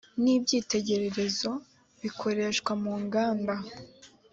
n ibyitegererezo bikoreshwa mu nganda